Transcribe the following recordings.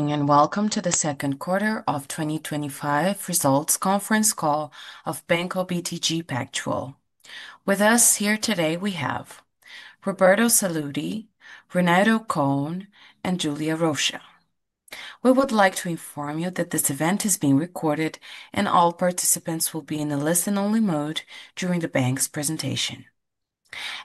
Welcome to the second quarter of 2025 results conference call of Banco BTG Pactual. With us here today, we have Roberto Sallouti, Renato Hermann Cohn, and Giulia Rocha. We would like to inform you that this event is being recorded, and all participants will be in a listen-only mode during the bank's presentation.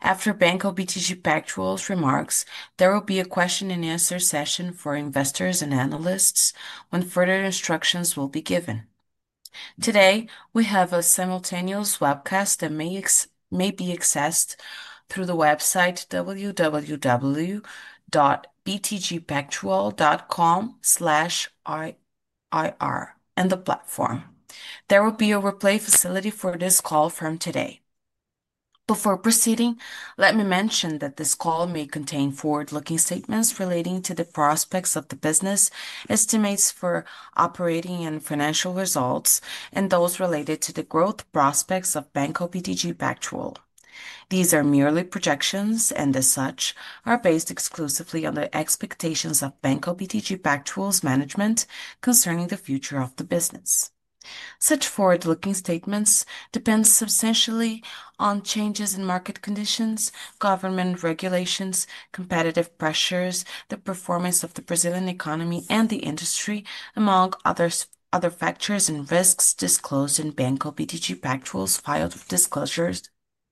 After Banco BTG Pactual's remarks, there will be a question and answer session for investors and analysts when further instructions will be given. Today, we have a simultaneous webcast that may be accessed through the website www.btgpactual.com/ir and the platform. There will be a replay facility for this call from today. Before proceeding, let me mention that this call may contain forward-looking statements relating to the prospects of the business, estimates for operating and financial results, and those related to the growth prospects of Banco BTG Pactual. These are merely projections and, as such, are based exclusively on the expectations of Banco BTG Pactual's management concerning the future of the business. Such forward-looking statements depend substantially on changes in market conditions, government regulations, competitive pressures, the performance of the Brazilian economy, and the industry, among other factors and risks disclosed in Banco BTG Pactual's file of disclosures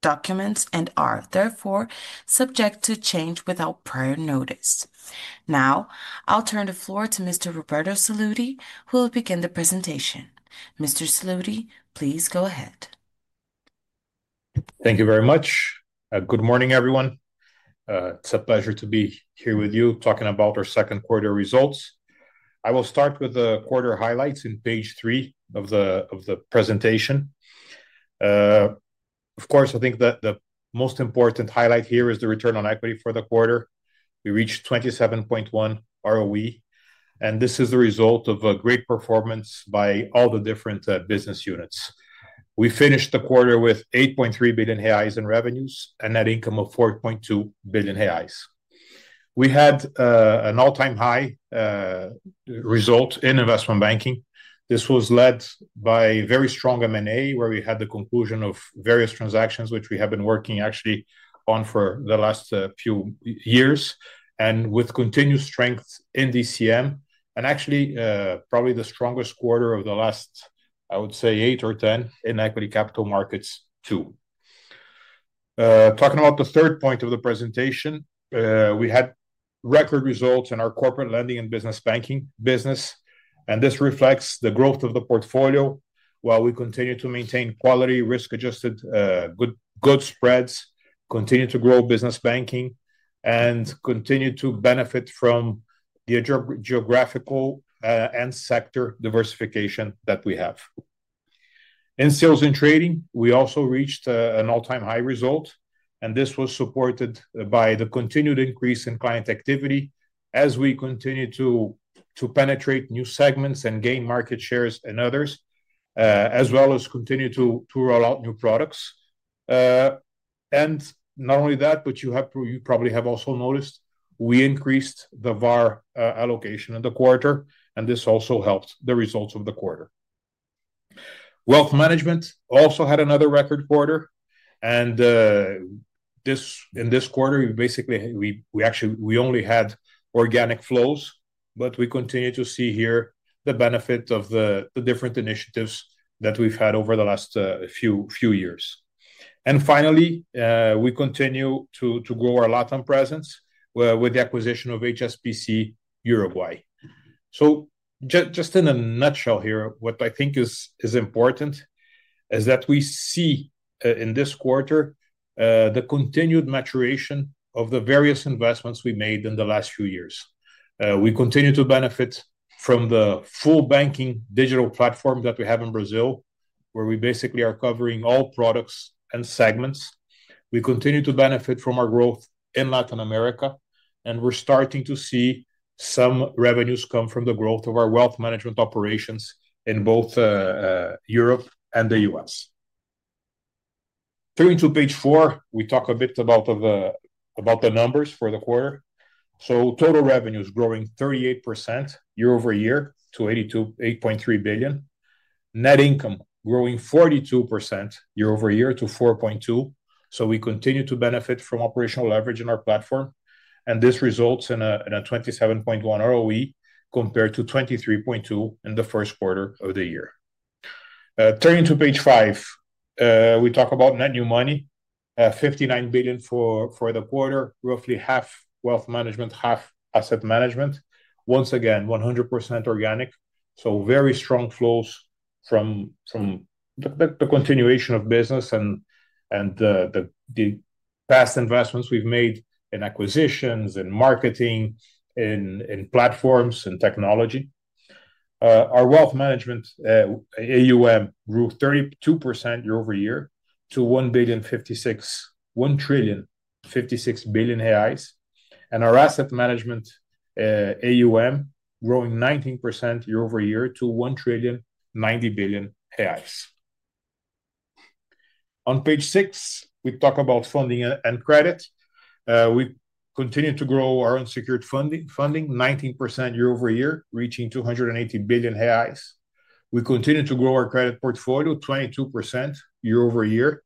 documents and are, therefore, subject to change without prior notice. Now, I'll turn the floor to Mr. Roberto Sallouti, who will begin the presentation. Mr. Sallouti, please go ahead. Thank you very much. Good morning, everyone. It's a pleasure to be here with you talking about our second quarter results. I will start with the quarter highlights in page three of the presentation. Of course, I think that the most important highlight here is the return on equity for the quarter. We reached 27.1% ROE, and this is a result of a great performance by all the different business units. We finished the quarter with 8.3 billion reais revenues and an income of 4.2 billion reais. We had an all-time high result in Investment Banking. This was led by very strong M&A, where we had the conclusion of various transactions, which we have been working actually on for the last few years, and with continued strength in DCM, and actually probably the strongest quarter of the last, I would say, eight or ten in equity capital markets too. Talking about the third point of the presentation, we had record results in our Corporate Lending and Business Banking, and this reflects the growth of the portfolio while we continue to maintain quality risk-adjusted good spreads, continue to grow Business Banking, and continue to benefit from the geographical and sector diversification that we have. In Sales and Trading, we also reached an all-time high result, and this was supported by the continued increase in client activity as we continue to penetrate new segments and gain market shares in others, as well as continue to roll out new products. You probably have also noticed we increased the VAR allocation in the quarter, and this also helped the results of the quarter. Wealth Management also had another record quarter, and in this quarter, we basically, we actually only had organic flows, but we continue to see here the benefit of the different initiatives that we've had over the last few years. Finally, we continue to grow our LATAM presence with the acquisition of HSBC Uruguay. Just in a nutshell here, what I think is important is that we see in this quarter the continued maturation of the various investments we made in the last few years. We continue to benefit from the full banking digital platform that we have in Brazil, where we basically are covering all products and segments. We continue to benefit from our growth in Latin America, and we're starting to see some revenues come from the growth of our Wealth Management operations in both Europe and the U.S. Turning to page four, we talk a bit about the numbers for the quarter. Total revenues growing 38% year-over-year to 8.3 billion. Net income growing 42% year-over-year to 4.2 billion. We continue to benefit from operational leverage in our platform, and this results in a 27.1% ROE compared to 23.2% in the first quarter of the year. Turning to page five, we talk about net new money, 59 billion for the quarter, roughly half Wealth Management, half Asset Management. Once again, 100% organic. Very strong flows from the continuation of business and the past investments we've made in acquisitions and marketing and platforms and technology. Our Wealth Management AUM grew 32% year-over-year to 1.56 trillion, and our Asset Management AUM growing 19% year-over-year to 1.90 trillion. On page six, we talk about funding and credit. We continue to grow our unsecured funding, 19% year-over-year, reaching 280 billion reais. We continue to grow our credit portfolio 22% year-over-year,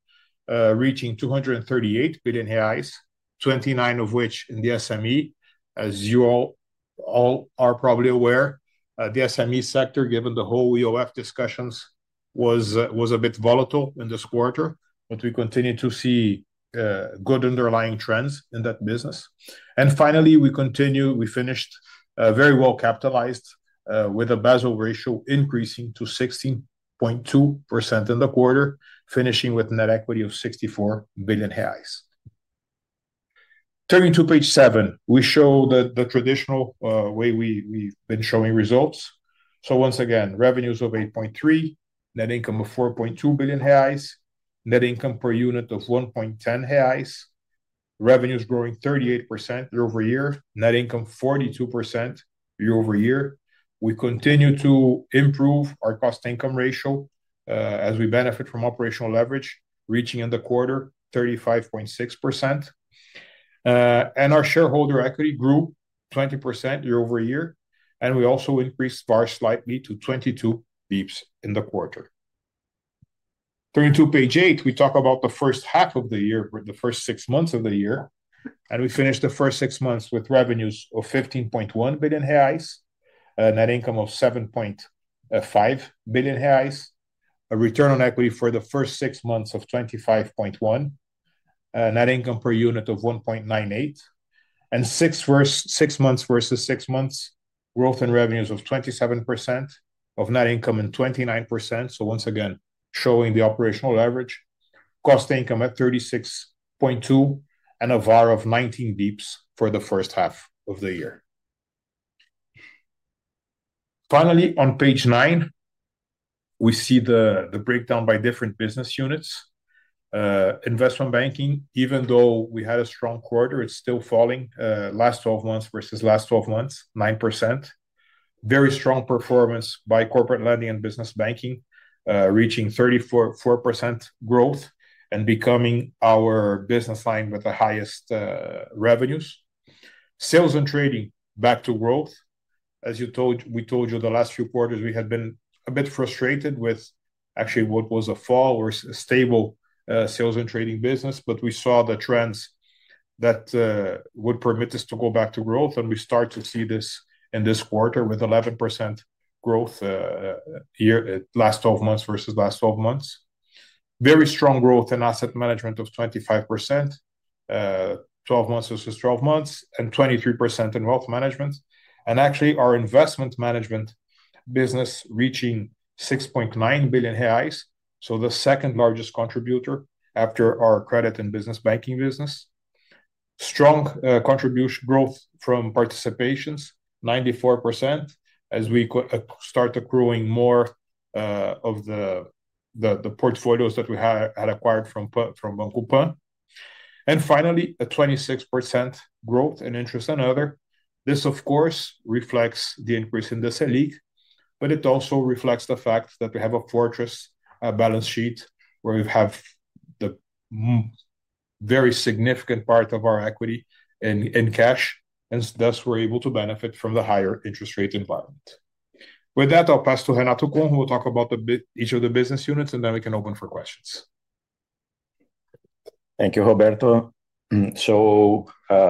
reaching 238 billion reais, 29 billion of which in the SME. As you all are probably aware, the SME sector, given the whole EOF discussions, was a bit volatile in this quarter, but we continue to see good underlying trends in that business. We finished very well capitalized with a Basel ratio increasing to 16.2% in the quarter, finishing with net equity of 64 billion reais. Turning to page seven, we show the traditional way we've been showing results. Once again, revenues of 8.3 billion, net income of 4.2 billion reais, net income per unit of 1.10 reais, revenues growing 38% year-over-year, net income 42% year-over-year. We continue to improve our cost-to-income ratio as we benefit from operational leverage, reaching in the quarter 35.6%. Our shareholder equity grew 20% year-over-year, and we also increased VAR slightly to 22 bps in the quarter. Turning to page eight, we talk about the first half of the year, the first six months of the year, and we finished the first six months with revenues of 15.1 billion reais, net income of 7.5 billion reais, a return on equity for the first six months of 25.1%, net income per unit of 1.98, and six months versus six months, growth in revenues of 27%, of net income and 29%. Once again, showing the operational leverage, cost income at 36.2%, and a VAR of 19 bps for the first half of the year. Finally, on page nine, we see the breakdown by different business units. Investment Banking, even though we had a strong quarter, it's still falling last 12 months versus last 12 months, 9%. Very strong performance by Corporate Lending and Business Banking, reaching 34% growth and becoming our business line with the highest revenues. Sales and Trading back to growth. As you told, we told you the last few quarters we had been a bit frustrated with actually what was a fall or a stable Sales and Trading business, but we saw the trends that would permit us to go back to growth, and we start to see this in this quarter with 11% growth here last 12 months versus last 12 months. Very strong growth in Asset Management of 25%, 12 months versus 12 months, and 23% in Wealth Management. Actually, our Investment Management business reaching $6.9 billion AUM, so the second largest contributor after our credit and Business Banking business. Strong contribution growth from participations, 94% as we start accruing more of the portfolios that we had acquired from Banco Pan. Finally, a 26% growth in interest and other. This, of course, reflects the increase in the SELIC, but it also reflects the fact that we have a fortress balance sheet where we have a very significant part of our equity in cash, and thus we're able to benefit from the higher interest rate environment. With that, I'll pass to Renato Hermann Cohn, who will talk about each of the business units, and then we can open for questions. Thank you, Roberto.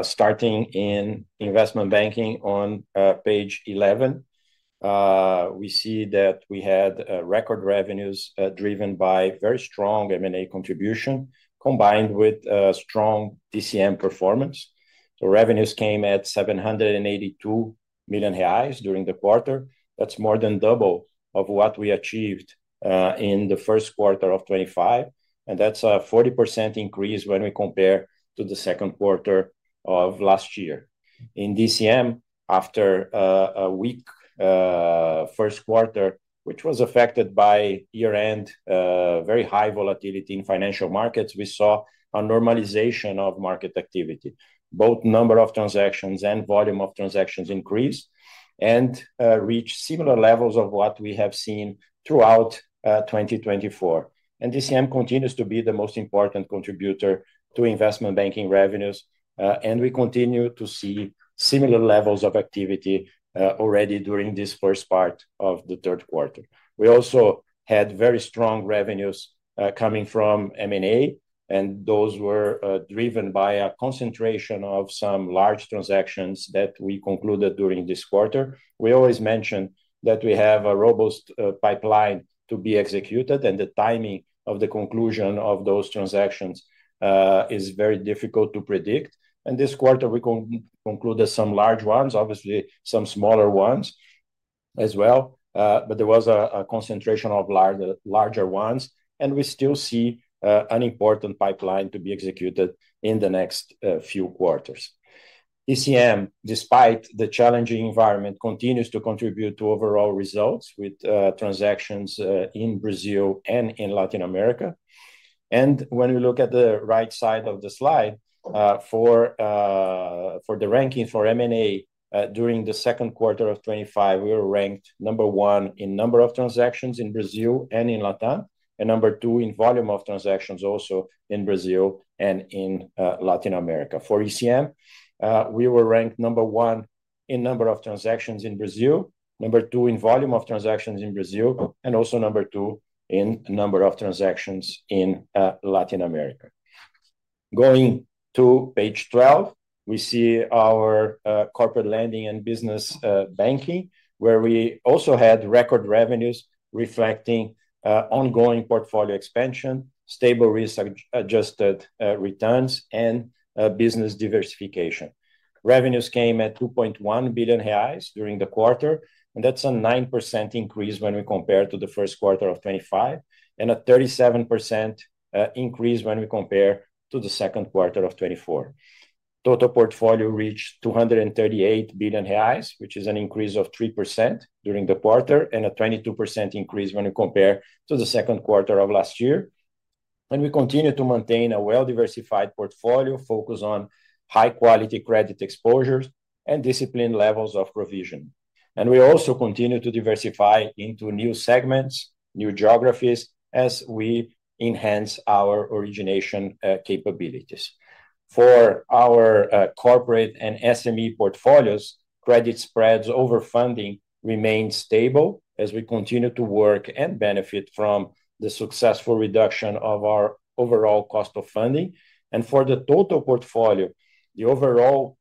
Starting in Investment Banking on page 11, we see that we had record revenues driven by very strong M&A contribution combined with strong DCM performance. The revenues came at 782 million reais during the quarter. That's more than double what we achieved in the first quarter of 2025, and that's a 40% increase when we compare to the second quarter of last year. In DCM, after a weak first quarter, which was affected by year-end very high volatility in financial markets, we saw a normalization of market activity. Both number of transactions and volume of transactions increased and reached similar levels of what we have seen throughout 2024. DCM continues to be the most important contributor to Investment Banking revenues, and we continue to see similar levels of activity already during this first part of the third quarter. We also had very strong revenues coming from M&A, and those were driven by a concentration of some large transactions that we concluded during this quarter. We always mention that we have a robust pipeline to be executed, and the timing of the conclusion of those transactions is very difficult to predict. This quarter, we concluded some large ones, obviously some smaller ones as well, but there was a concentration of larger ones, and we still see an important pipeline to be executed in the next few quarters. DCM, despite the challenging environment, continues to contribute to overall results with transactions in Brazil and in Latin America. When we look at the right side of the slide, for the ranking for M&A during the second quarter of 2025, we were ranked number one in number of transactions in Brazil and in Latin America, and number two in volume of transactions also in Brazil and in Latin America. For ECM, we were ranked number one in number of transactions in Brazil, number two in volume of transactions in Brazil, and also number two in number of transactions in Latin America. Going to page 12, we see our Corporate Lending and Business Banking, where we also had record revenues reflecting ongoing portfolio expansion, stable risk-adjusted returns, and business diversification. Revenues came at 2.1 billion reais during the quarter, and that's a 9% increase when we compare to the first quarter of 2025, and a 37% increase when we compare to the second quarter of 2024. Total portfolio reached 238 billion reais, which is an increase of 3% during the quarter, and a 22% increase when we compare to the second quarter of last year. We continue to maintain a well-diversified portfolio focused on high-quality credit exposures and disciplined levels of provision. We also continue to diversify into new segments and new geographies as we enhance our origination capabilities. For our corporate and SME portfolios, credit spreads over funding remain stable as we continue to work and benefit from the successful reduction of our overall cost of funding. For the total portfolio, the overall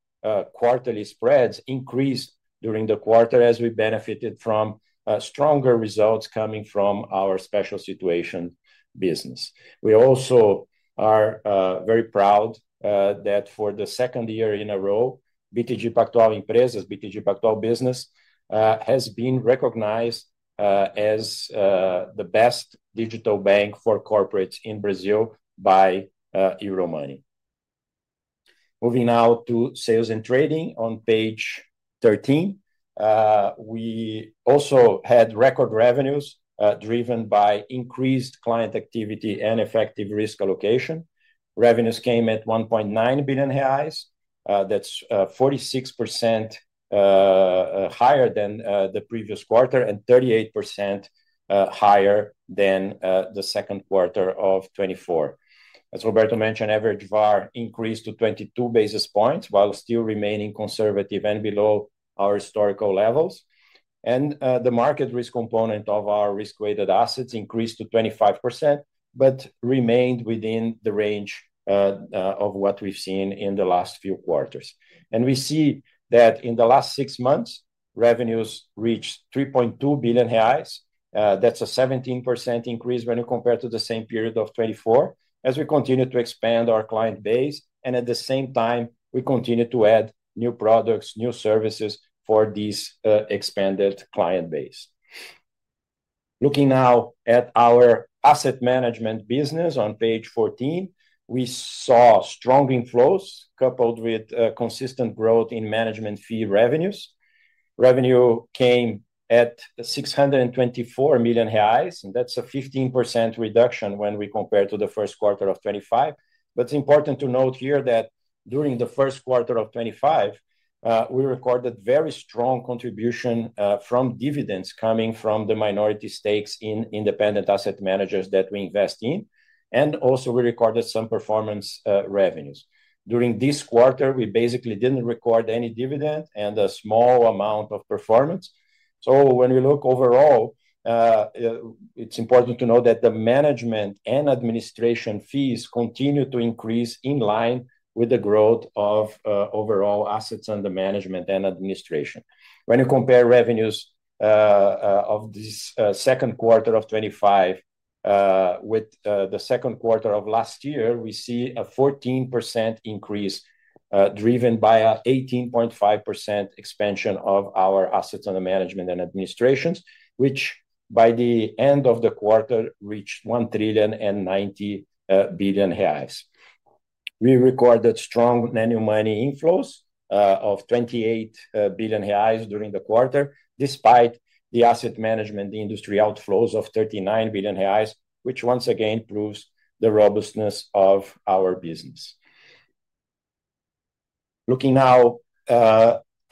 quarterly spreads increased during the quarter as we benefited from stronger results coming from our special situation business. We also are very proud that for the second year in a row, BTG Pactual Empresas, BTG Pactual Business, has been recognized as the best digital bank for corporates in Brazil by Euromoney. Moving now to Sales and Trading on page 13, we also had record revenues driven by increased client activity and effective risk allocation. Revenues came at 1.9 billion reais. That's 46% higher than the previous quarter and 38% higher than the second quarter of 2024. As Roberto mentioned, average VAR increased to 22 basis points while still remaining conservative and below our historical levels. The market risk component of our risk-weighted assets increased to 25% but remained within the range of what we've seen in the last few quarters. In the last six months, revenues reached 3.2 billion reais. That's a 17% increase when you compare to the same period of 2024, as we continue to expand our client base, and at the same time, we continue to add new products and new services for this expanded client base. Looking now at our Asset Management business on page 14, we saw strong inflows coupled with consistent growth in management fee revenues. Revenue came at 624 million reais, and that's a 15% reduction when we compare to the first quarter of 2025. It's important to note here that during the first quarter of 2025, we recorded very strong contribution from dividends coming from the minority stakes in independent asset managers that we invest in, and we also recorded some performance revenues. During this quarter, we basically didn't record any dividend and a small amount of performance. When we look overall, it's important to note that the management and administration fees continue to increase in line with the growth of overall assets under management and administration. When you compare revenues of this second quarter of 2025 with the second quarter of last year, we see a 14% increase driven by an 18.5% expansion of our assets under management and administration, which by the end of the quarter reached 1.90 billion reais. We recorded strong net new money inflows of 28 billion reais during the quarter, despite the asset management industry outflows of 39 billion reais, which once again proves the robustness of our business. Looking now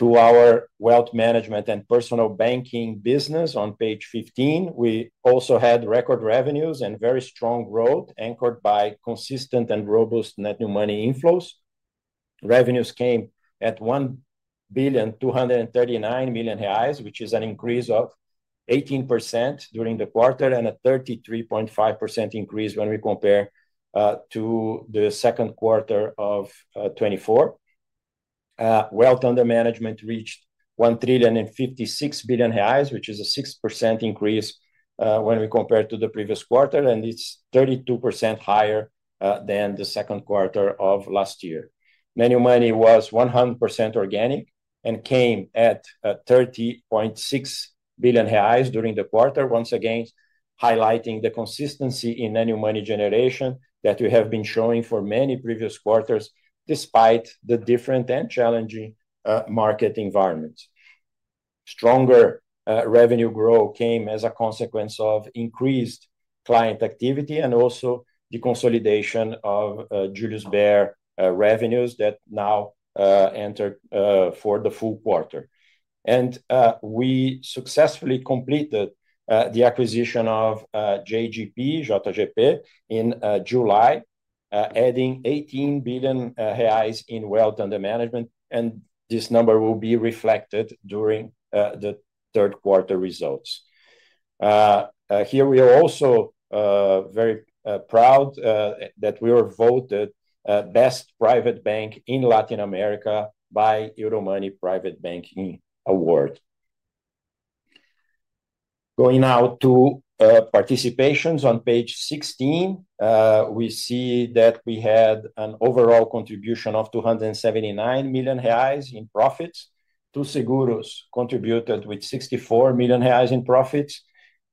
to our Wealth Management and Personal Banking business on page 15, we also had record revenues and very strong growth anchored by consistent and robust net new money inflows. Revenues came at 1.239 billion, which is an increase of 18% during the quarter and a 33.5% increase when we compare to the second quarter of 2024. Wealth under management reached 1.56 billion reais, which is a 6% increase when we compare to the previous quarter, and it's 32% higher than the second quarter of last year. Net new money was 100% organic and came at 30.6 billion reais during the quarter, once again highlighting the consistency in net new money generation that we have been showing for many previous quarters, despite the different and challenging market environment. Stronger revenue growth came as a consequence of increased client activity and also the consolidation of Julius Baer revenues that now entered for the full quarter. We successfully completed the acquisition of JGP in July, adding 18 billion reais in wealth under management, and this number will be reflected during the third quarter results. Here we are also very proud that we were voted Best Private Bank in Latin America by the Euromoney Private Banking Award. Going now to participations on page 16, we see that we had an overall contribution of 279 million reais in profits. Too Seguros contributed with 64 million reais in profits.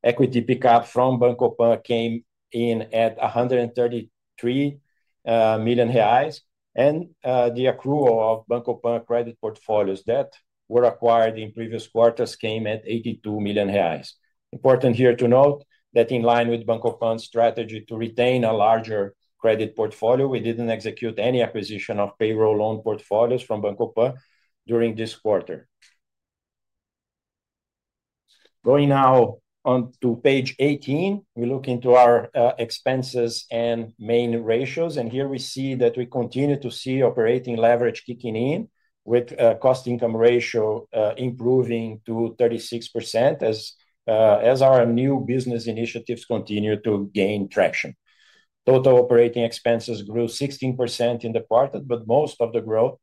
Equity pickup from Banco Pan came in at 133 million reais, and the accrual of Banco Pan credit portfolios that were acquired in previous quarters came at 82 million reais. It is important here to note that in line with Banco Pan's strategy to retain a larger credit portfolio, we didn't execute any acquisition of payroll loan portfolios from Banco Pan during this quarter. Going now on to page 18, we look into our expenses and main ratios, and here we see that we continue to see operating leverage kicking in with a cost-income ratio improving to 36% as our new business initiatives continue to gain traction. Total operating expenses grew 16% in the quarter, but most of the growth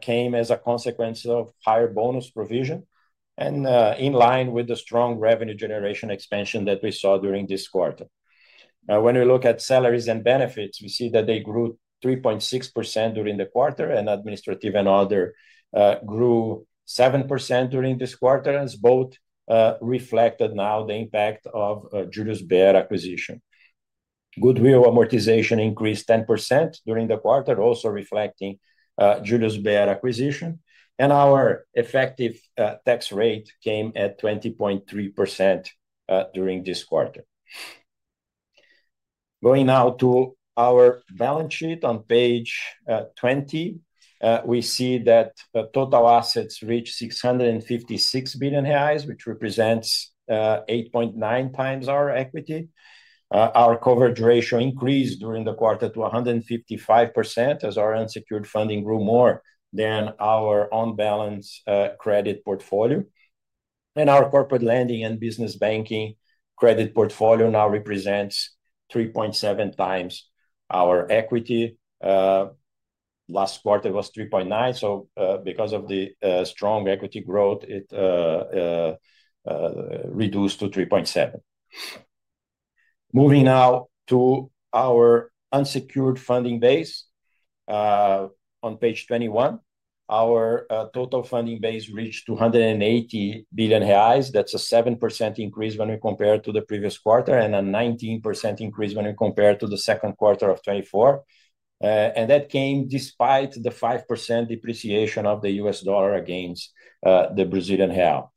came as a consequence of higher bonus provision and in line with the strong revenue generation expansion that we saw during this quarter. When we look at salaries and benefits, we see that they grew 3.6% during the quarter, and administrative and other grew 7% during this quarter, as both reflected now the impact of Julius Baer acquisition. Goodwill amortization increased 10% during the quarter, also reflecting Julius Baer acquisition, and our effective tax rate came at 20.3% during this quarter. Going now to our balance sheet on page 20, we see that total assets reached 656 billion reais, which represents 8.9x our equity. Our coverage ratio increased during the quarter to 155% as our unsecured funding grew more than our on-balance credit portfolio. Our Corporate Lending and Business Banking credit portfolio now represents 3.7x our equity. Last quarter was 3.9x, so because of the strong equity growth, it reduced to 3.7x. Moving now to our unsecured funding base, on page 21, our total funding base reached 280 billion reais. That's a 7% increase when we compare to the previous quarter and a 19% increase when we compare to the second quarter of 2024. That came despite the 5% depreciation of the U.S. dollar against the Brazilian real.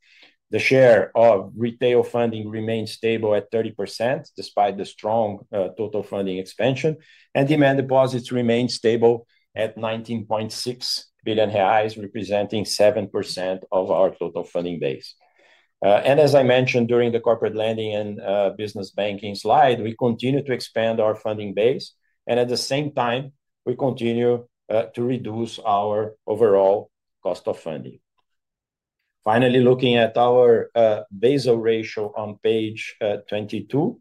The share of retail funding remains stable at 30% despite the strong total funding expansion, and demand deposits remain stable at 19.6 billion reais, representing 7% of our total funding base. As I mentioned during the Corporate Lending and Business Banking slide, we continue to expand our funding base, and at the same time, we continue to reduce our overall cost of funding. Finally, looking at our Basel ratio on page 22,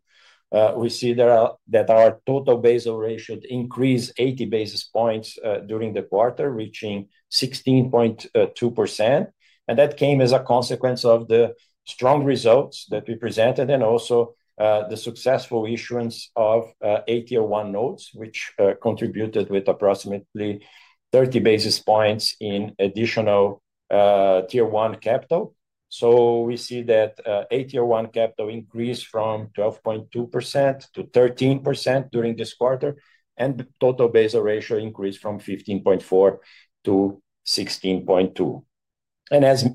we see that our total Basel ratio increased 80 basis points during the quarter, reaching 16.2%. That came as a consequence of the strong results that we presented and also the successful issuance of a Tier 1 notes, which contributed with approximately 30 basis points in additional Tier 1 capital. We see that Tier 1 capital increased from 12.2% to 13% during this quarter, and the total Basel ratio increased from 15.4% to 16.2%. As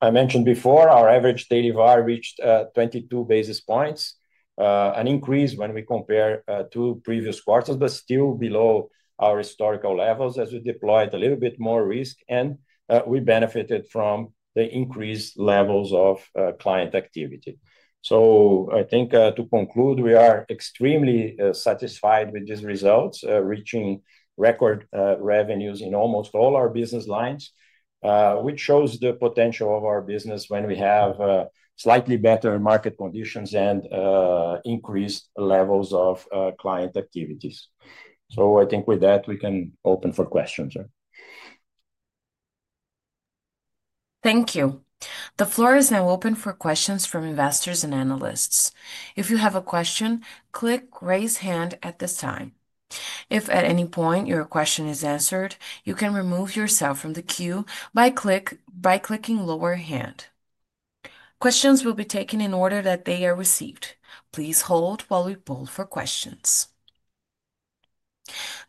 I mentioned before, our average daily VAR reached 22 basis points, an increase when we compare to previous quarters, but still below our historical levels as we deployed a little bit more risk and we benefited from the increased levels of client activity. I think to conclude, we are extremely satisfied with these results, reaching record revenues in almost all our business lines, which shows the potential of our business when we have slightly better market conditions and increased levels of client activities. I think with that, we can open for questions. Thank you. The floor is now open for questions from investors and analysts. If you have a question, click raise hand at this time. If at any point your question is answered, you can remove yourself from the queue by clicking lower hand. Questions will be taken in the order that they are received. Please hold while we poll for questions.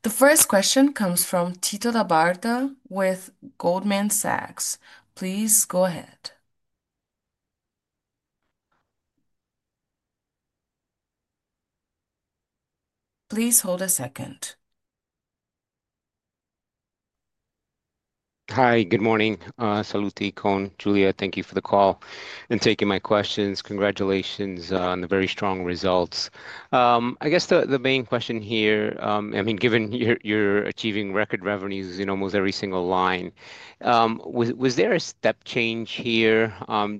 The first question comes from Tito Labarta with Goldman Sachs. Please go ahead. Please hold a second. Hi, good morning. Sallouti, Cohn, Giulia, thank you for the call and taking my questions. Congratulations on the very strong results. I guess the main question here, I mean, given you're achieving record revenues in almost every single line, was there a step change here?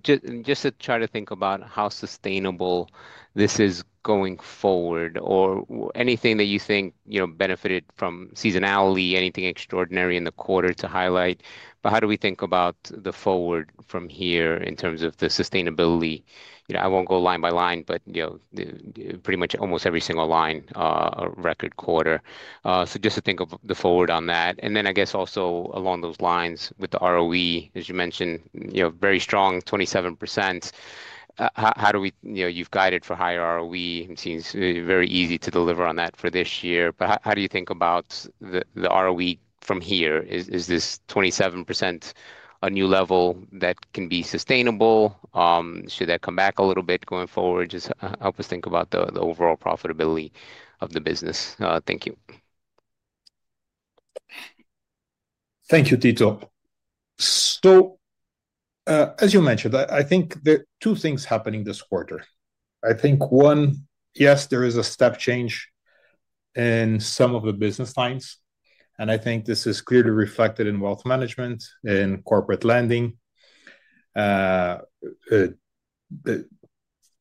Just to try to think about how sustainable this is going forward or anything that you think benefited from seasonality, anything extraordinary in the quarter to highlight? How do we think about the forward from here in terms of the sustainability? I won't go line by line, but pretty much almost every single line, a record quarter. Just to think of the forward on that. I guess also along those lines with the ROE, as you mentioned, very strong 27%. How do we, you've guided for higher ROE, it seems very easy to deliver on that for this year. How do you think about the ROE from here? Is this 27% a new level that can be sustainable? Should that come back a little bit going forward? Just help us think about the overall profitability of the business. Thank you. Thank you, Tito. As you mentioned, I think there are two things happening this quarter. I think, yes, there is a step change in some of the business lines, and I think this is clearly reflected in Wealth Management and Corporate Lending. It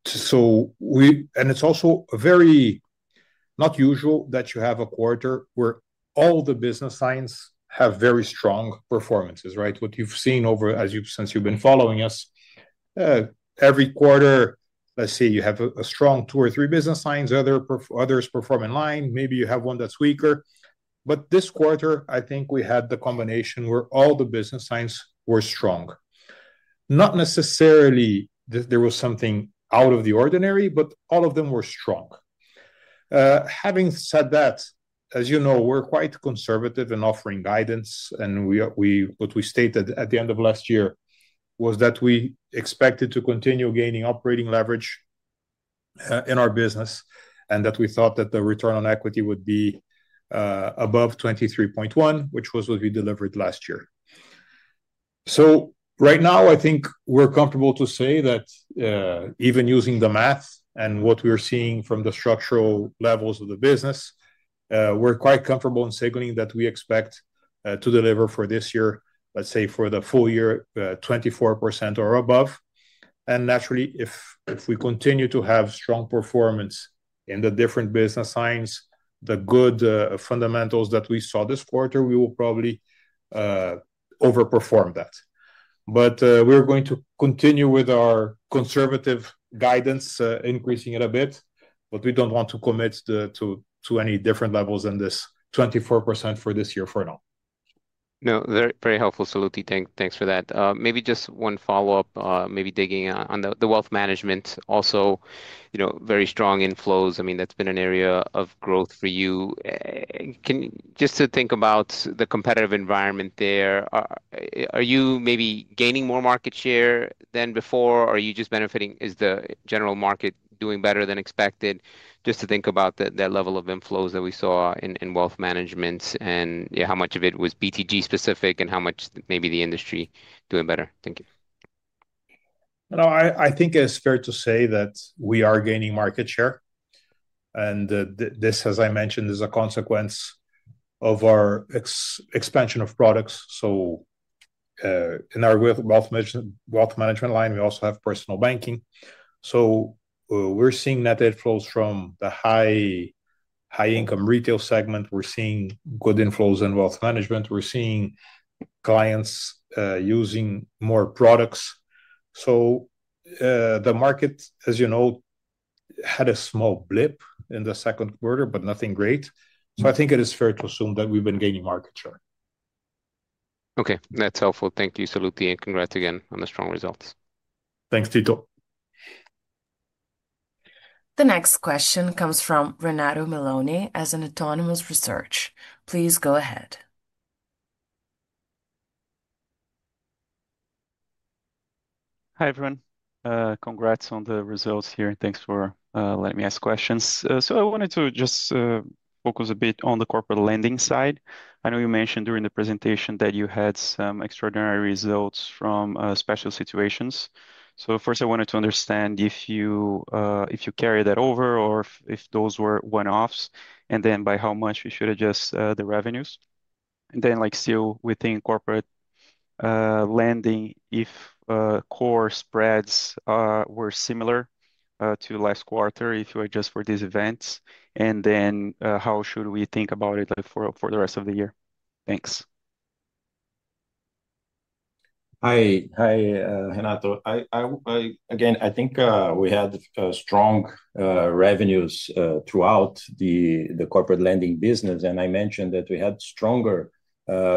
is also very not usual that you have a quarter where all the business lines have very strong performances, right? What you've seen, since you've been following us, every quarter, let's say you have a strong two or three business lines, others perform in line, maybe you have one that's weaker. This quarter, I think we had the combination where all the business lines were strong. Not necessarily that there was something out of the ordinary, but all of them were strong. Having said that, as you know, we're quite conservative in offering guidance, and what we stated at the end of last year was that we expected to continue gaining operating leverage in our business and that we thought that the return on equity would be above 23.1%, which was what we delivered last year. Right now, I think we're comfortable to say that even using the math and what we're seeing from the structural levels of the business, we're quite comfortable in signaling that we expect to deliver for this year, let's say for the full year, 24% or above. Naturally, if we continue to have strong performance in the different business lines, the good fundamentals that we saw this quarter, we will probably overperform that. We're going to continue with our conservative guidance, increasing it a bit, but we don't want to commit to any different levels than this 24% for this year for now. No, very helpful, Sallouti. Thanks for that. Maybe just one follow-up, maybe digging on the Wealth Management. Also, you know, very strong inflows. I mean, that's been an area of growth for you. Can you, just to think about the competitive environment there, are you maybe gaining more market share than before? Are you just benefiting? Is the general market doing better than expected? Just to think about that level of inflows that we saw in Wealth Management and how much of it was BTG specific and how much maybe the industry doing better. Thank you. No, I think it's fair to say that we are gaining market share. This, as I mentioned, is a consequence of our expansion of products. In our Wealth Management line, we also have Personal Banking. We're seeing net inflows from the high-income retail segment and good inflows in Wealth Management. We're seeing clients using more products. The market, as you know, had a small blip in the second quarter, but nothing great. I think it is fair to assume that we've been gaining market share. Okay, that's helpful. Thank you, Sallouti, and congrats again on the strong results. Thanks, Tito. The next question comes from Renato Meloni at Autonomous Research. Please go ahead. Hi everyone. Congrats on the results here and thanks for letting me ask questions. I wanted to just focus a bit on the Corporate Lending side. I know you mentioned during the presentation that you had some extraordinary results from special situations. First, I wanted to understand if you carry that over or if those were one-offs and then by how much we should adjust the revenues. Still within Corporate Lending, if core spreads were similar to last quarter, if you adjust for these events, how should we think about it for the rest of the year? Thanks. Hi, Renato. I think we had strong revenues throughout the Corporate Lending business, and I mentioned that we had stronger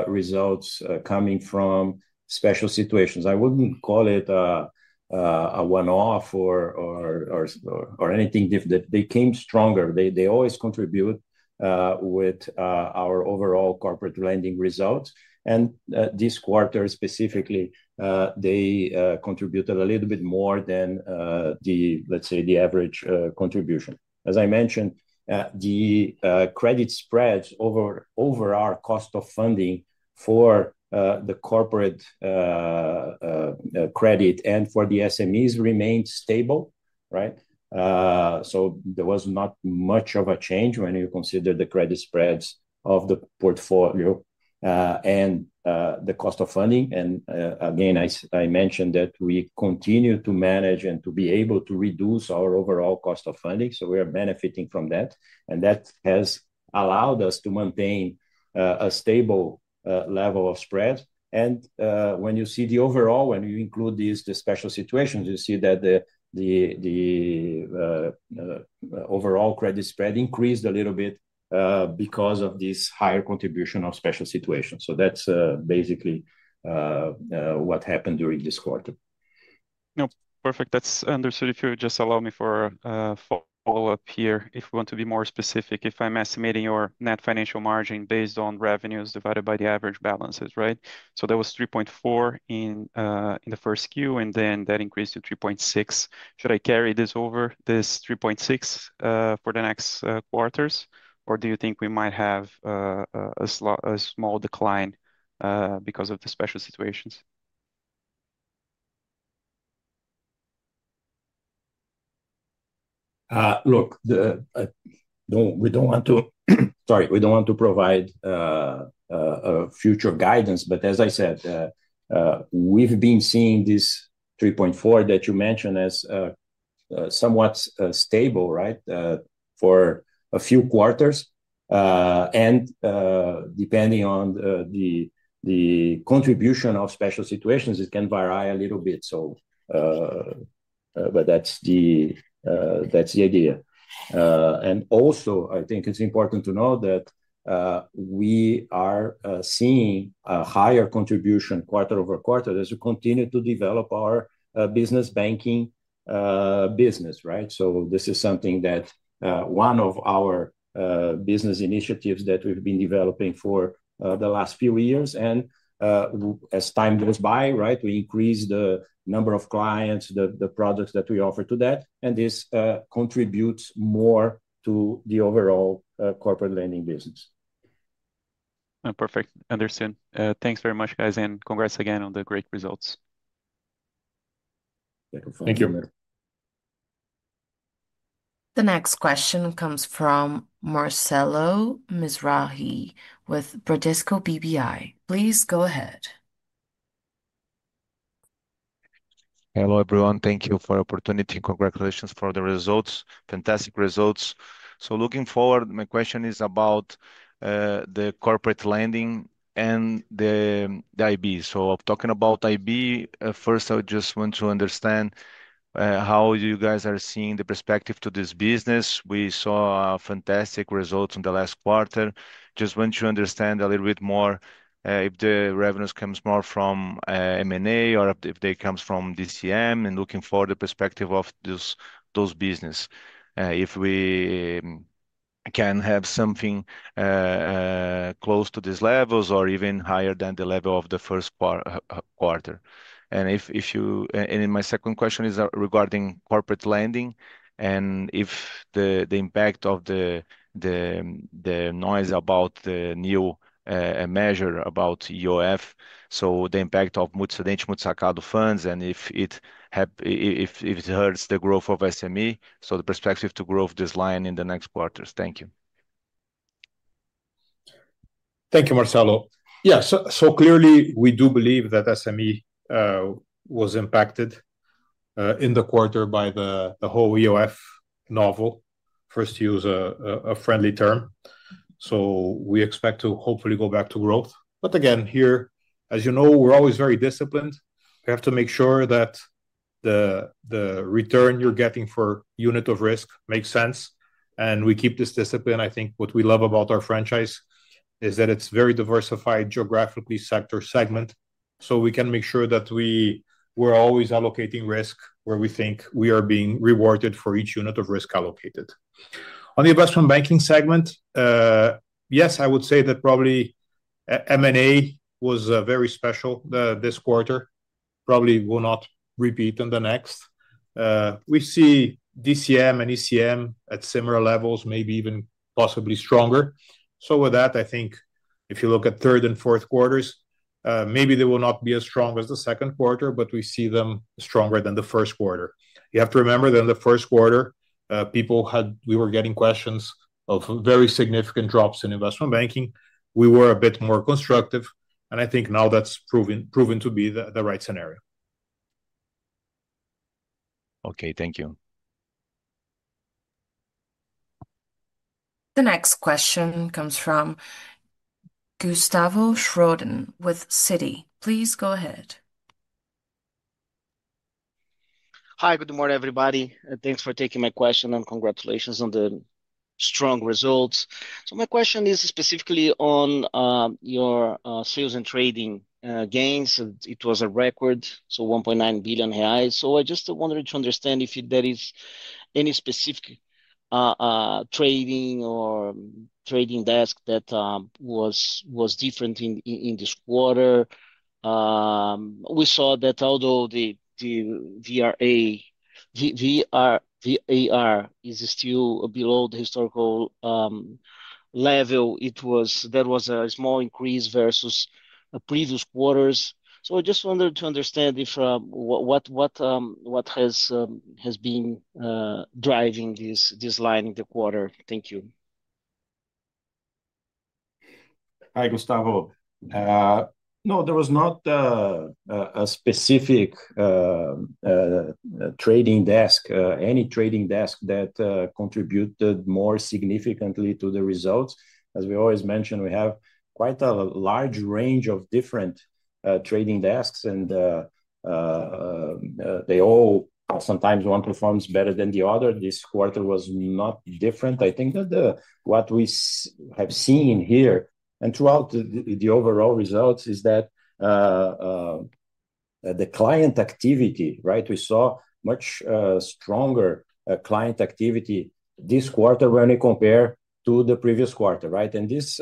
results coming from special situations. I wouldn't call it a one-off or anything different. They came stronger. They always contribute with our overall Corporate Lending results. This quarter specifically, they contributed a little bit more than the, let's say, the average contribution. As I mentioned, the credit spreads over our cost of funding for the corporate credit and for the SMEs remained stable, right? There was not much of a change when you consider the credit spreads of the portfolio and the cost of funding. I mentioned that we continue to manage and to be able to reduce our overall cost of funding. We are benefiting from that, and that has allowed us to maintain a stable level of spread. When you see the overall, when you include these special situations, you see that the overall credit spread increased a little bit because of this higher contribution of special situations. That's basically what happened during this quarter. No, perfect. That's understood. If you would just allow me for a follow-up here. If you want to be more specific, if I'm estimating your net financial margin based on revenues divided by the average balances, right? That was 3.4x in the first quarter and then that increased to 3.6x. Should I carry this over, this 3.6x, for the next quarters? Or do you think we might have a small decline because of the special situations? Look, we don't want to provide future guidance, but as I said, we've been seeing this 3.4x that you mentioned as somewhat stable, right, for a few quarters. Depending on the contribution of special situations, it can vary a little bit. That's the idea. I think it's important to know that we are seeing a higher contribution quarter-over-quarter as we continue to develop our Business Banking business, right? This is one of our business initiatives that we've been developing for the last few years. As time goes by, we increase the number of clients and the products that we offer to that, and this contributes more to the overall Corporate Lending business. Perfect. Understood. Thanks very much, guys, and congrats again on the great results. Thank you, Amir. The next question comes from Marcelo Mizrahi with Bradesco BBI. Please go ahead. Hello everyone. Thank you for the opportunity. Congratulations for the results. Fantastic results. Looking forward, my question is about the Corporate Lending and the Investment Banking. I'm talking about Investment Banking. First, I just want to understand how you guys are seeing the perspective to this business. We saw fantastic results in the last quarter. I just want to understand a little bit more if the revenues come more from M&A or if they come from DCM and looking for the perspective of those businesses. If we can have something close to these levels or even higher than the level of the first quarter. My second question is regarding Corporate Lending and if the impact of the noise about the new measure about EOF, so the impact of [Mutsudenchi Mutsakado] funds and if it hurts the growth of SME, the perspective to grow this line in the next quarters. Thank you. Thank you, Marcelo. Yeah, we do believe that SME was impacted in the quarter by the whole EOF novel, first to use a friendly term. We expect to hopefully go back to growth. Here, as you know, we're always very disciplined. We have to make sure that the return you're getting for unit of risk makes sense. We keep this discipline. I think what we love about our franchise is that it's very diversified geographically, sector segment. We can make sure that we're always allocating risk where we think we are being rewarded for each unit of risk allocated. On the Investment Banking segment, yes, I would say that probably M&A was very special this quarter. Probably will not repeat in the next. We see DCM and ECM at similar levels, maybe even possibly stronger. If you look at third and fourth quarters, maybe they will not be as strong as the second quarter, but we see them stronger than the first quarter. You have to remember that in the first quarter, people had, we were getting questions of very significant drops in Investment Banking. We were a bit more constructive, and I think now that's proven to be the right scenario. Okay, thank you. The next question comes from Gustavo Schroden with Citi. Please go ahead. Hi, good morning everybody. Thanks for taking my question and congratulations on the strong results. My question is specifically on your Sales and Trading gains. It was a record, 1.9 billion reais. I just wanted to understand if there is any specific trading or trading desk that was different in this quarter. We saw that although the VAR is still below the historical level, there was a small increase versus previous quarters. I just wanted to understand what has been driving this line in the quarter. Thank you. Hi, Gustavo. No, there was not a specific trading desk, any trading desk that contributed more significantly to the results. As we always mentioned, we have quite a large range of different trading desks, and they all, sometimes one performs better than the other. This quarter was not different. I think that what we have seen here and throughout the overall results is that the client activity, right, we saw much stronger client activity this quarter when we compare to the previous quarter, right? This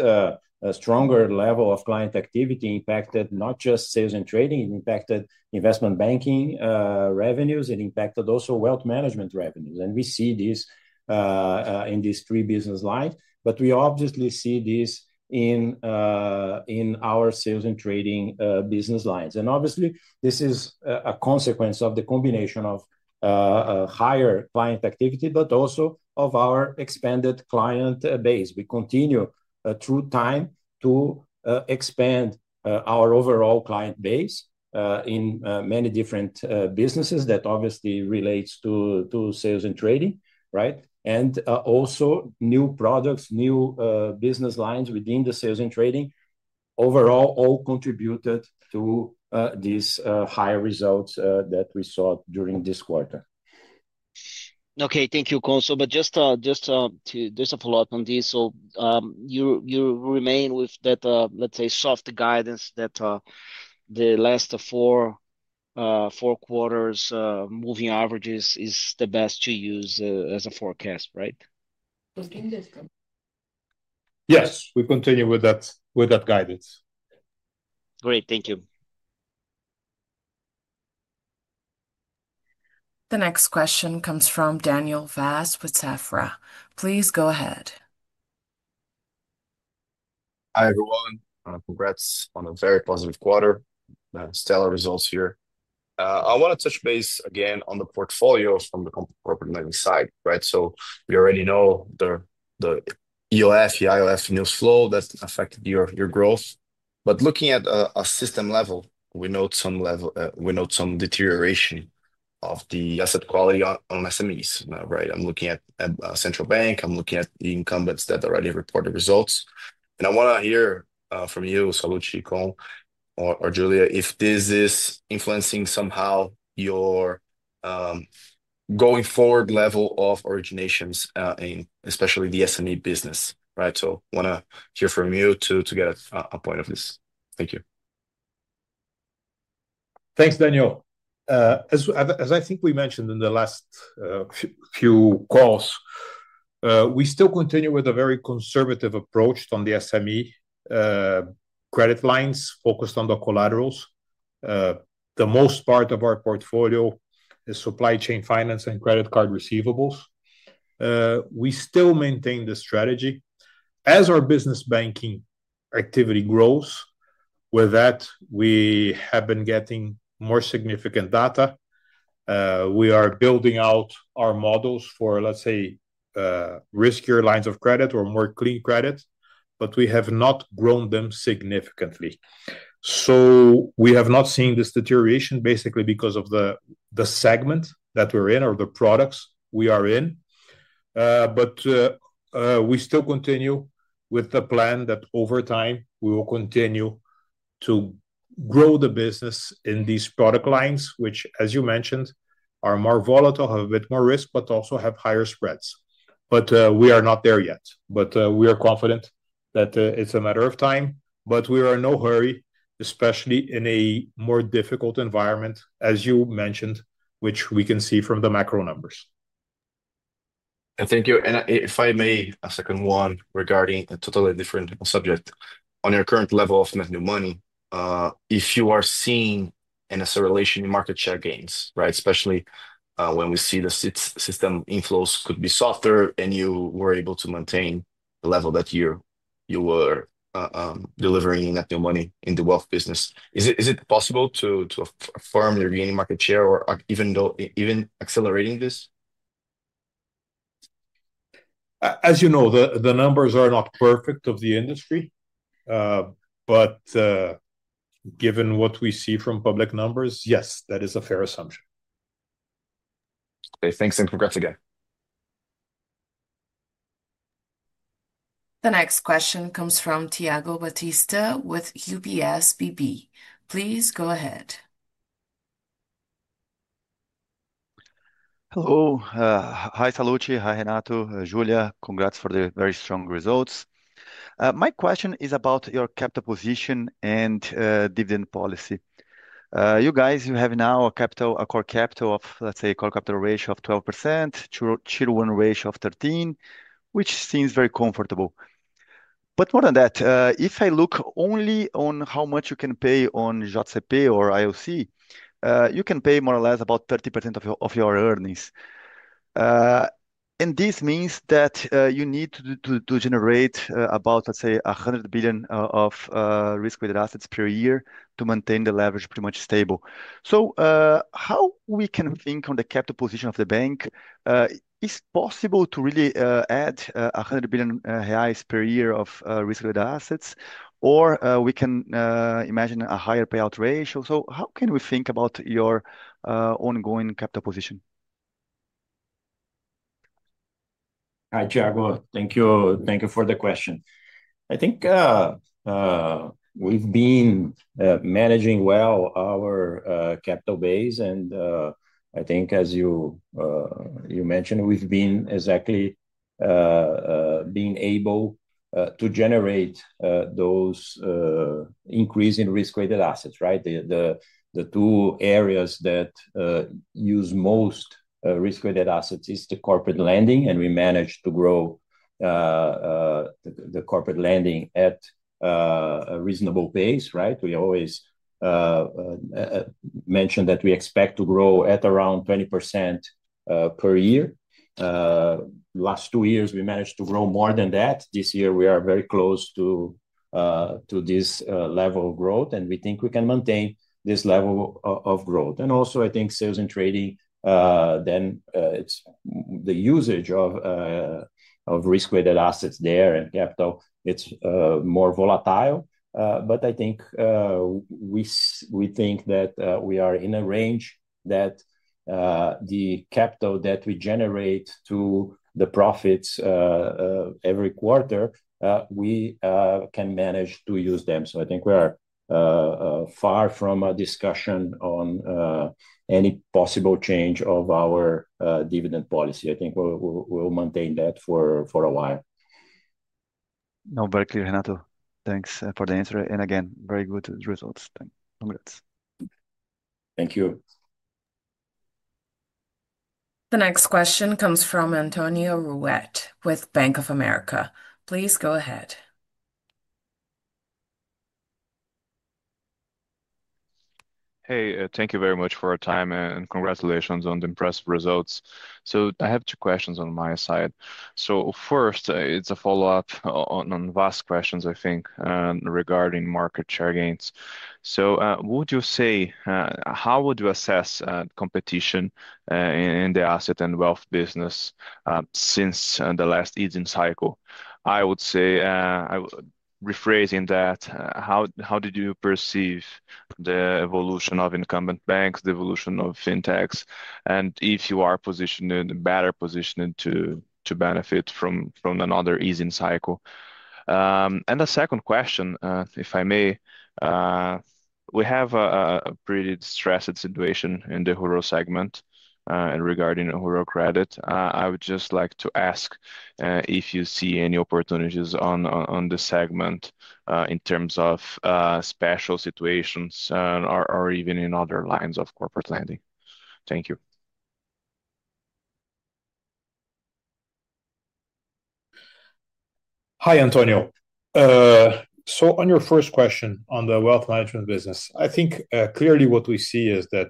stronger level of client activity impacted not just Sales and Trading, it impacted Investment Banking revenues, it impacted also Wealth Management revenues. We see this in these three business lines, but we obviously see this in our Sales and Trading business lines. Obviously, this is a consequence of the combination of higher client activity, but also of our expanded client base. We continue through time to expand our overall client base in many different businesses that obviously relate to Sales and Trading, right? Also, new products, new business lines within the Sales and Trading overall all contributed to these high results that we saw during this quarter. Okay, thank you, Cohn. Just a follow-up on this, you remain with that, let's say, soft guidance that the last four quarters moving averages is the best to use as a forecast, right? Yes, we continue with that guidance. Great, thank you. The next question comes from Daniel Vaz with Safra. Please go ahead. Hi everyone. Congrats on a very positive quarter. Stellar results here. I want to touch base again on the portfolios from the Corporate Lending side, right? We already know the EOF, the IOF new flow that affected your growth. Looking at a system level, we note some deterioration of the asset quality on SMEs, right? I'm looking at Central Bank, I'm looking at the incumbents that already reported results. I want to hear from you, Sallouti, Cohn, or Giulia, if this is influencing somehow your going forward level of originations in especially the SME business, right? I want to hear from you to get a point of this. Thank you. Thanks, Daniel. As I think we mentioned in the last few calls, we still continue with a very conservative approach on the SME credit lines focused on the collaterals. The most part of our portfolio is supply chain finance and credit card receivables. We still maintain the strategy. As our Business Banking activity grows, with that, we have been getting more significant data. We are building out our models for, let's say, riskier lines of credit or more clean credit, but we have not grown them significantly. We have not seen this deterioration basically because of the segment that we're in or the products we are in. We still continue with the plan that over time we will continue to grow the business in these product lines, which, as you mentioned, are more volatile, have a bit more risk, but also have higher spreads. We are not there yet. We are confident that it's a matter of time. We are in no hurry, especially in a more difficult environment, as you mentioned, which we can see from the macro numbers. Thank you. If I may, a second one regarding a totally different subject. On your current level of net new money, if you are seeing an acceleration in market share gains, right, especially when we see the system inflows could be softer and you were able to maintain the level that you were delivering in net new money in the Wealth Management business. Is it possible to affirm you're gaining market share or even accelerating this? As you know, the numbers are not perfect for the industry, but given what we see from public numbers, yes, that is a fair assumption. Okay, thanks. Congrats again. The next question comes from Thiago Batista with UBS BB. Please go ahead. Hello. Hi, Sallouti. Hi, Renato. Giulia, congrats for the very strong results. My question is about your capital position and dividend policy. You guys, you have now a corporate capital of, let's say, a corporate capital ratio of 12%, Tier 1 ratio of 13%, which seems very comfortable. More than that, if I look only on how much you can pay on JCP or IOC, you can pay more or less about 30% of your earnings. This means that you need to generate about, let's say, 100 billion of risk-weighted assets per year to maintain the leverage pretty much stable. How can we think on the capital position of the bank, is it possible to really add 100 billion reais per year of risk-weighted assets, or can we imagine a higher payout ratio? How can we think about your ongoing capital position? Hi, Thiago. Thank you. Thank you for the question. I think we've been managing well our capital base, and I think as you mentioned, we've been exactly being able to generate those increasing risk-weighted assets, right? The two areas that use most risk-weighted assets are the Corporate Lending, and we manage to grow the Corporate Lending at a reasonable pace, right? We always mention that we expect to grow at around 20% per year. The last two years, we managed to grow more than that. This year, we are very close to this level of growth, and we think we can maintain this level of growth. I think Sales and Trading, then the usage of risk-weighted assets there and capital, it's more volatile. I think we think that we are in a range that the capital that we generate to the profits every quarter, we can manage to use them. I think we are far from a discussion on any possible change of our dividend policy. I think we'll maintain that for a while. No, very clear, Renato. Thanks for the answer. Again, very good results. Thanks. Congrats. Thank you. The next question comes from Antonio Ruette with Bank of America. Please go ahead. Thank you very much for your time and congratulations on the impressive results. I have two questions on my side. First, it's a follow-up on Vaz's questions, I think, regarding market share gains. What would you say, how would you assess competition in the asset and wealth business since the last easing cycle? Rephrasing that, how did you perceive the evolution of incumbent banks, the evolution of fintechs, and if you are positioned better, positioned to benefit from another easing cycle? The second question, if I may, we have a pretty stressed situation in the [HURO] segment and regarding [HURO] credit. I would just like to ask if you see any opportunities on the segment in terms of special situations or even in other lines of Corporate Lending. Thank you. Hi, Antonio. On your first question on the Wealth Management business, clearly what we see is that,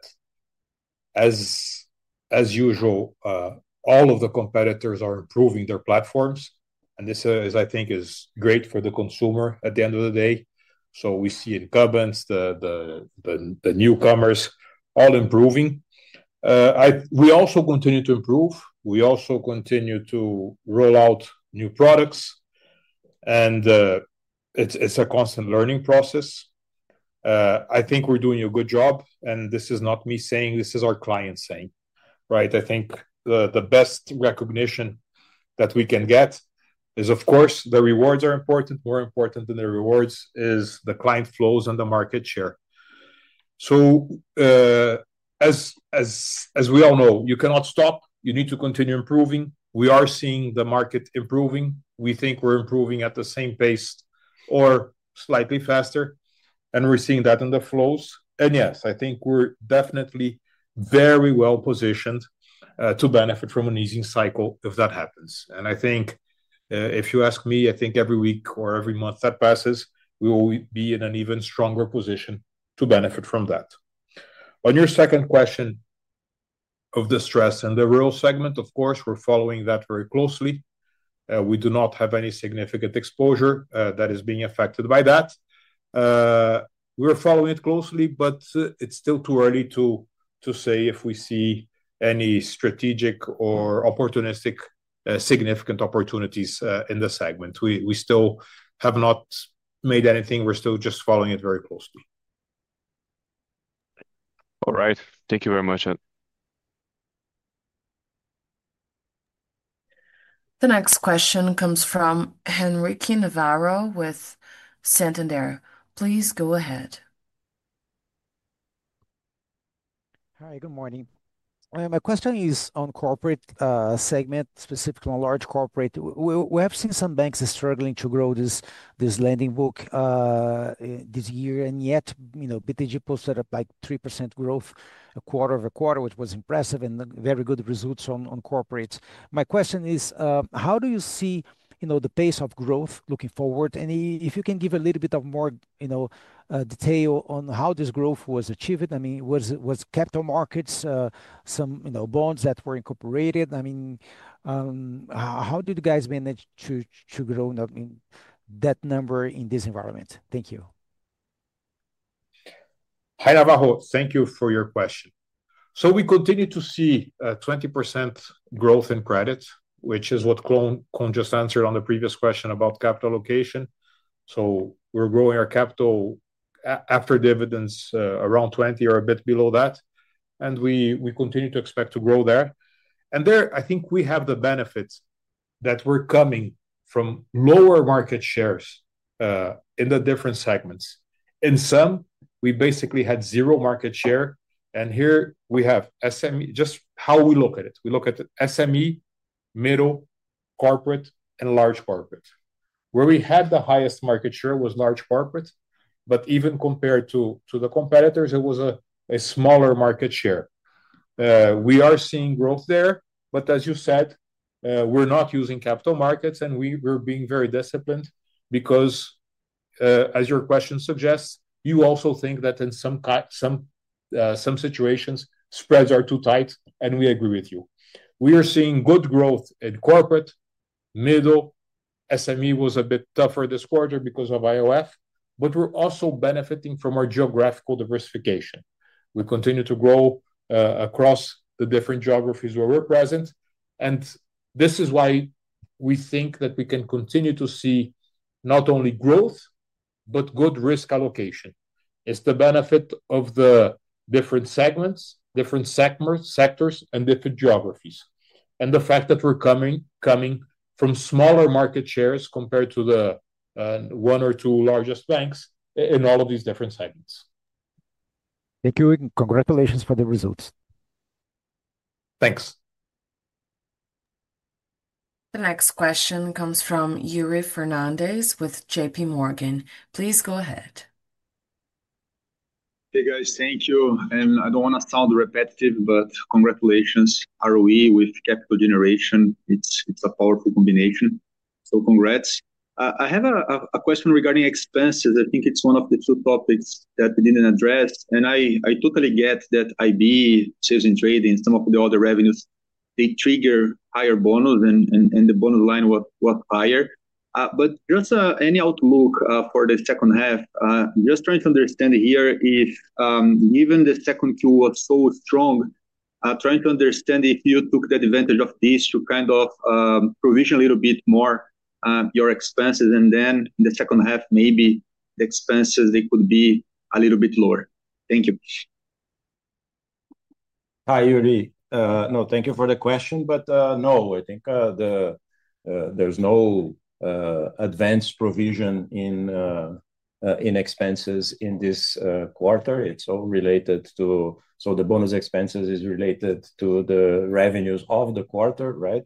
as usual, all of the competitors are improving their platforms. This, I think, is great for the consumer at the end of the day. We see incumbents and the newcomers all improving. We also continue to improve and continue to roll out new products. It's a constant learning process. I think we're doing a good job. This is not me saying, this is our client saying, right? I think the best recognition that we can get is, of course, the rewards are important. More important than the rewards is the client flows and the market share. As we all know, you cannot stop. You need to continue improving. We are seeing the market improving. We think we're improving at the same pace or slightly faster. We're seeing that in the flows. Yes, I think we're definitely very well positioned to benefit from an easing cycle if that happens. If you ask me, I think every week or every month that passes, we will be in an even stronger position to benefit from that. On your second question of the stress in the rural segment, of course, we're following that very closely. We do not have any significant exposure that is being affected by that. We're following it closely, but it's still too early to say if we see any strategic or opportunistic significant opportunities in the segment. We still have not made anything. We're still just following it very closely. All right, thank you very much. The next question comes from Henrique Navarro with Santander. Please go ahead. Hi, good morning. My question is on the corporate segment, specifically on large corporate. We have seen some banks struggling to grow this lending book this year, yet BTG posted up like 3% growth quarter-over-quarter, which was impressive and very good results on corporates. My question is, how do you see the pace of growth looking forward? If you can give a little bit more detail on how this growth was achieved, I mean, was it capital markets, some bonds that were incorporated? How did you guys manage to grow that number in this environment? Thank you. Hi Navarro, thank you for your question. We continue to see 20% growth in credits, which is what Cohn just answered on the previous question about capital allocation. We're growing our capital after dividends around 20% or a bit below that, and we continue to expect to grow there. I think we have the benefits that were coming from lower market shares in the different segments. In some, we basically had zero market share. Here we have SME, just how we look at it. We look at SME, middle, corporate, and large corporate. Where we had the highest market share was large corporate, but even compared to the competitors, it was a smaller market share. We are seeing growth there. As you said, we're not using capital markets, and we're being very disciplined because, as your question suggests, you also think that in some situations, spreads are too tight, and we agree with you. We are seeing good growth in corporate. Middle, SME was a bit tougher this quarter because of IOF, but we're also benefiting from our geographical diversification. We continue to grow across the different geographies where we're present. This is why we think that we can continue to see not only growth, but good risk allocation. It's the benefit of the different segments, different sectors, and different geographies. The fact that we're coming from smaller market shares compared to the one or two largest banks in all of these different segments. Thank you, and congratulations for the results. Thanks. The next question comes from Yuri Fernandes with JPMorgan. Please go ahead. Hey guys, thank you. I don't want to sound repetitive, but congratulations. ROE with capital generation, it's a powerful combination. Congrats. I have a question regarding expenses. I think it's one of the two topics that we didn't address. I totally get that Investment Banking, Sales and Trading, some of the other revenues, they trigger higher bonus and the bonus line was higher. Just any outlook for the second half, just trying to understand here if given the second quarter was so strong, trying to understand if you took the advantage of this to kind of provision a little bit more your expenses. In the second half, maybe the expenses could be a little bit lower. Thank you. Hi, Yuri. No, thank you for the question. No, I think there's no advanced provision in expenses in this quarter. It's all related to, the bonus expenses are related to the revenues of the quarter, right?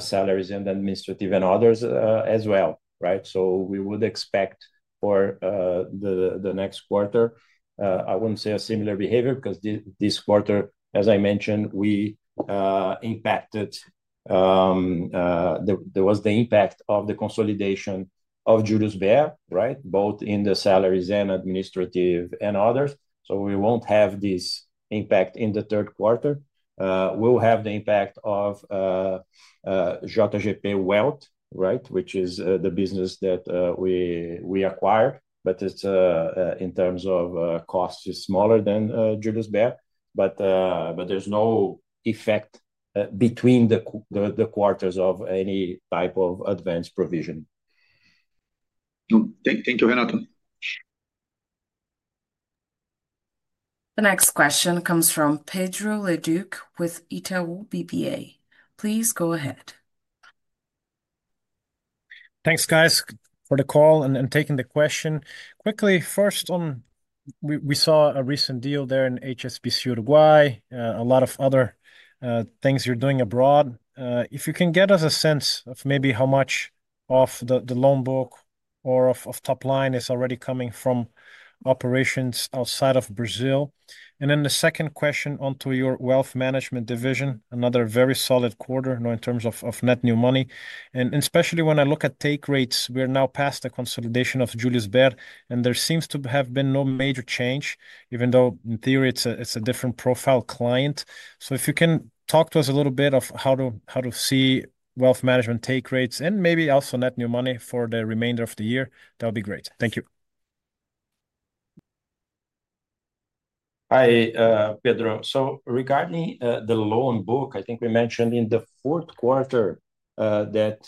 Salaries and administrative and others as well, right? We would expect for the next quarter, I wouldn't say a similar behavior because this quarter, as I mentioned, we impacted, there was the impact of the consolidation of Julius Baer, right? Both in the salaries and administrative and others. We won't have this impact in the third quarter. We'll have the impact of JGP Wealth, right? Which is the business that we acquired. In terms of cost, it is smaller than Julius Baer. There's no effect between the quarters of any type of advanced provision. Thank you, Renato. The next question comes from Pedro Leduc with Itaú BBA. Please go ahead. Thanks, guys, for the call and taking the question. Quickly, first, we saw a recent deal there in HSBC Uruguay, a lot of other things you're doing abroad. If you can get us a sense of maybe how much of the loan book or of top line is already coming from operations outside of Brazil. The second question, onto your Wealth Management division, another very solid quarter, you know, in terms of net new money. Especially when I look at take rates, we're now past the consolidation of Julius Baer, and there seems to have been no major change, even though in theory it's a different profile client. If you can talk to us a little bit of how to see Wealth Management take rates and maybe also net new money for the remainder of the year, that would be great. Thank you. Hi, Pedro. Regarding the loan book, I think we mentioned in the fourth quarter that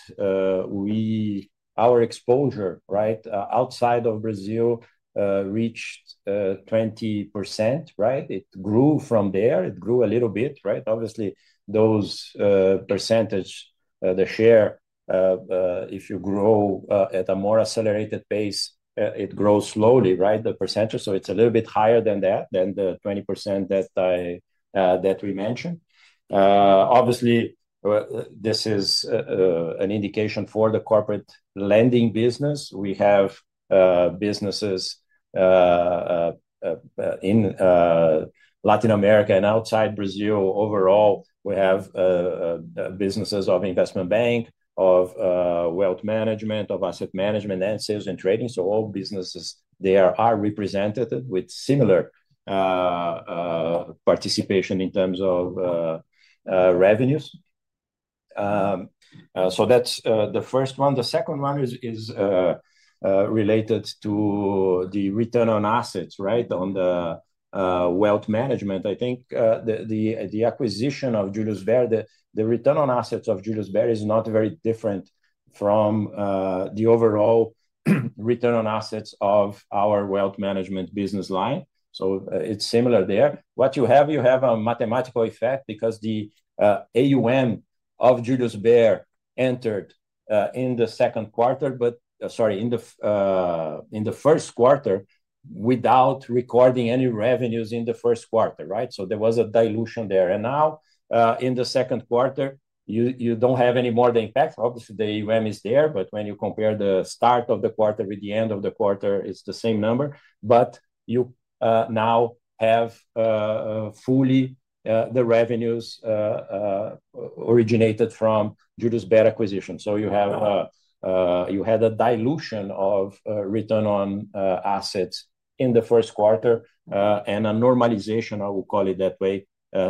our exposure outside of Brazil reached 20%. It grew from there. It grew a little bit. Obviously, those percentages, the share, if you grow at a more accelerated pace, it grows slowly. The percentage is a little bit higher than the 20% that we mentioned. This is an indication for the Corporate Lending business. We have businesses in Latin America and outside Brazil. Overall, we have businesses of Investment Banking, Wealth Management, Asset Management, and Sales and Trading. All businesses there are represented with similar participation in terms of revenues. That's the first one. The second one is related to the return on assets on the Wealth Management. I think the acquisition of Julius Baer, the return on assets of Julius Baer is not very different from the overall return on assets of our Wealth Management business line. It's similar there. What you have, you have a mathematical effect because the AUM of Julius Baer entered in the second quarter, but in the first quarter without recording any revenues in the first quarter. There was a dilution there. Now in the second quarter, you don't have any more impact. The AUM is there, but when you compare the start of the quarter with the end of the quarter, it's the same number. You now have fully the revenues originated from Julius Baer acquisition. You had a dilution of return on assets in the first quarter and a normalization, I will call it that way,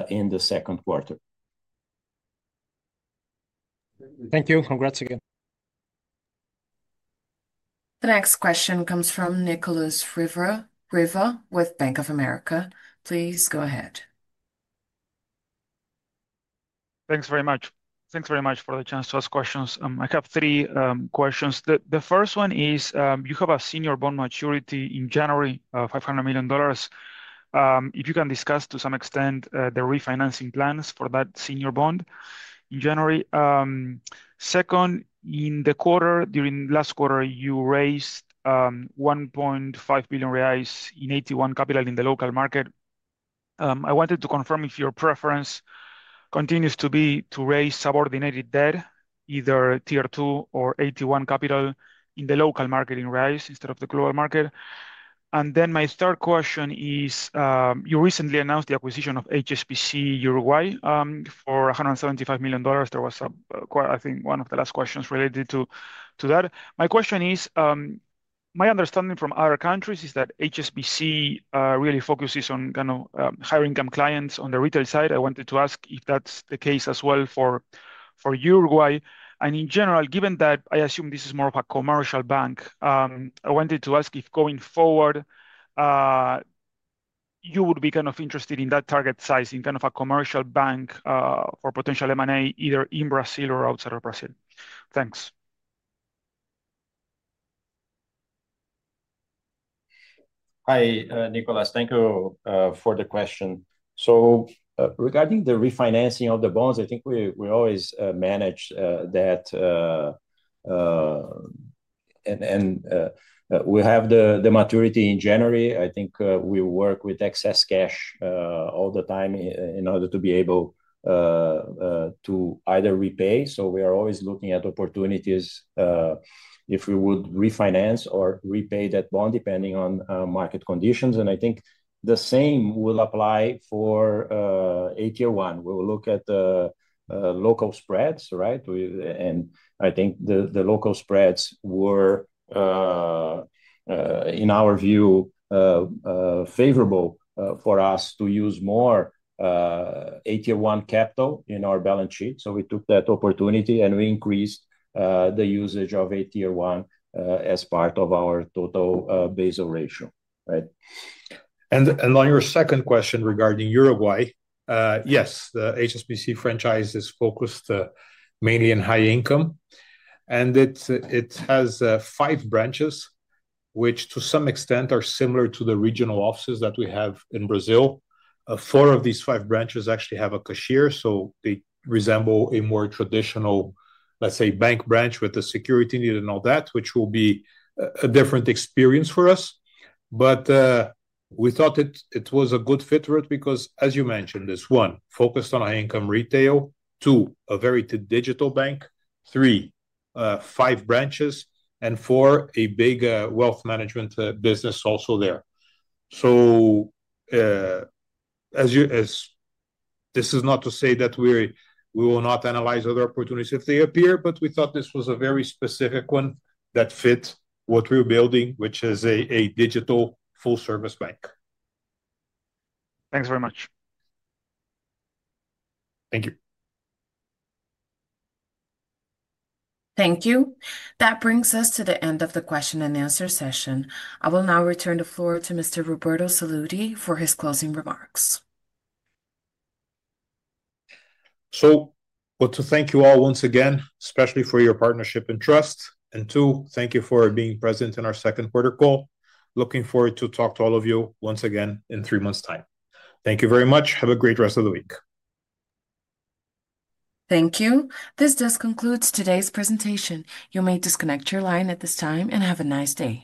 in the second quarter. Thank you. Congrats again. The next question comes from Nicolas Riva with Bank of America. Please go ahead. Thanks very much. Thanks very much for the chance to ask questions. I have three questions. The first one is you have a senior bond maturity in January, $500 million. If you can discuss to some extent the refinancing plans for that senior bond in January. Second, in the quarter, during the last quarter, you raised 1.5 billion reais in AT1 capital in the local market. I wanted to confirm if your preference continues to be to raise subordinated debt, either Tier 2 or AT1 capital in the local market in reais instead of the global market. My third question is you recently announced the acquisition of HSBC Uruguay for $175 million. There was, I think, one of the last questions related to that. My question is, my understanding from other countries is that HSBC really focuses on kind of higher income clients on the retail side. I wanted to ask if that's the case as well for Uruguay. In general, given that I assume this is more of a commercial bank, I wanted to ask if going forward, you would be kind of interested in that target size, in kind of a commercial bank or potential M&A, either in Brazil or outside of Brazil. Thanks. Hi, Nicolas. Thank you for the question. Regarding the refinancing of the bonds, I think we always manage that. We have the maturity in January. We work with excess cash all the time in order to be able to either repay. We are always looking at opportunities if we would refinance or repay that bond depending on market conditions. I think the same will apply for AT1. We will look at the local spreads, right? The local spreads were, in our view, favorable for us to use more AT1 capital in our balance sheet. We took that opportunity and we increased the usage of AT1 as part of our total Basel ratio, right? On your second question regarding Uruguay, yes, the HSBC Uruguay franchise is focused mainly on high income. It has five branches, which to some extent are similar to the regional offices that we have in Brazil. Four of these five branches actually have a cashier, so they resemble a more traditional, let's say, bank branch with a security need and all that, which will be a different experience for us. We thought it was a good fit for it because, as you mentioned, this one, focused on high-income retail, two, a very digital bank, three, five branches, and four, a big Wealth Management business also there. This is not to say that we will not analyze other opportunities if they appear, but we thought this was a very specific one that fit what we're building, which is a digital full-service bank. Thanks very much. Thank you. Thank you. That brings us to the end of the question and answer session. I will now return the floor to Mr. Roberto Sallouti for his closing remarks. I want to thank you all once again, especially for your partnership and trust. Thank you for being present in our second quarter call. Looking forward to talk to all of you once again in three months' time. Thank you very much. Have a great rest of the week. Thank you. This does conclude today's presentation. You may disconnect your line at this time and have a nice day.